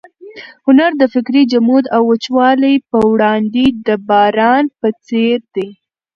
هنر د فکري جمود او وچکالۍ پر وړاندې د باران په څېر دی.